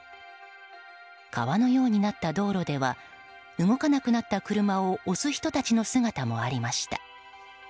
川のようになった道路では動かなくなった車を押す人たちの姿もありました。